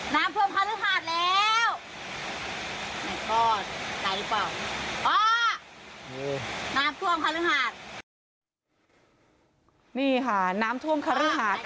น้ำท่วมคันฤทธิ์หาดนี่ค่ะน้ำท่วมคันฤทธิ์หาดค่ะ